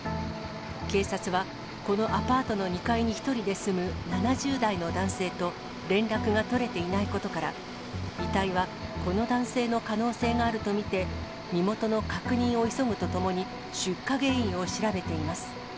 警察は、このアパートの２階に１人で住む７０代の男性と連絡が取れていないことから、遺体はこの男性の可能性があると見て、身元の確認を急ぐとともに出火原因を調べています。